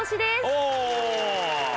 お！